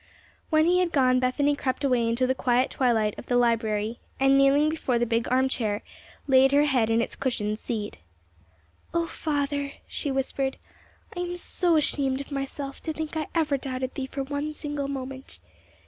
When he had gone, Bethany crept away into the quiet twilight of the library, and, kneeling before the big arm chair, laid her head in its cushioned seat. "O Father," she whispered, "I am so ashamed of myself to think I ever doubted thee for one single moment.